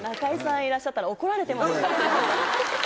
いらっしゃったら、怒ってますよ。